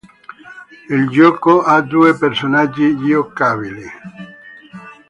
Il gioco ha due personaggi giocabili.